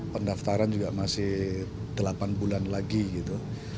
pendaftaran juga masih delapan bulan lagi gitu